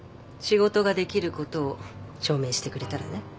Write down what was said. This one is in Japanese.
仕事ができることを証明してくれたらね。